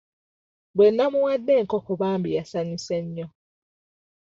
Bwe nnamuwadde enkoko bambi yasanyuse nnyo.